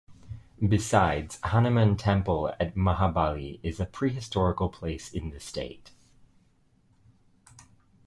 Besides, Hanuman Temple at Mahabali is a pre-historical place in the State.